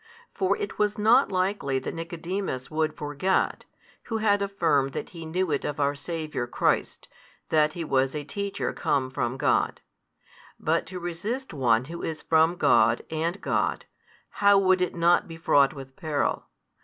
For it was not likely that Nicodemus would forget, who had affirmed that he knew it of our Saviour Christ, that He was a Teacher come from God. But to resist one who is from God and God, how would it not be fraught with peril?